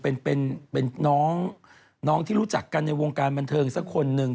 เป็นเป็นน้องที่รู้จักกันในวงการบันเทิงสักคนหนึ่ง